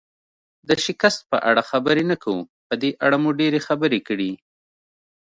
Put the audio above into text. د شکست په اړه خبرې نه کوو، په دې اړه مو ډېرې خبرې کړي.